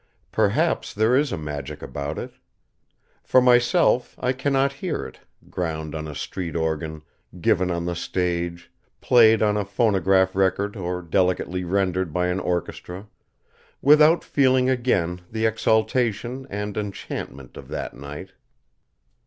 Perhaps there is a magic about it. For myself, I cannot hear it ground on a street organ, given on the stage, played on a phonograph record or delicately rendered by an orchestra without feeling again the exaltation and enchantment of that night.